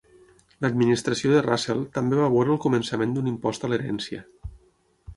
L'administració de Russell també va veure el començament d'un impost a l'herència.